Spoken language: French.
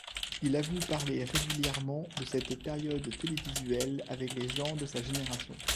Il avoue parler régulièrement de cette période télévisuelle avec les gens de sa génération.